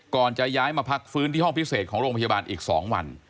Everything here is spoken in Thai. จะย้ายมาพักฟื้นที่ห้องพิเศษของโรงพยาบาลอีก๒วัน